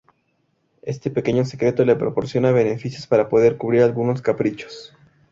Este pequeño secreto le proporciona beneficios para poder cubrir algunos caprichos.